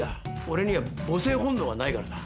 俺には母性本能がないからだ。